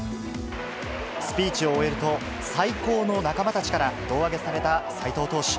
スピーチを終えると、最高の仲間たちから胴上げされた斎藤投手。